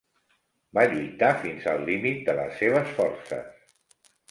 Va lluitar fins al límit de les seves forces.